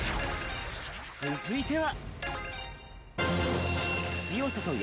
続いては。